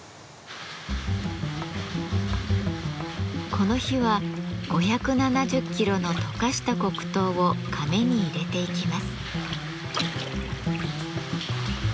この日は５７０キロの溶かした黒糖をカメに入れていきます。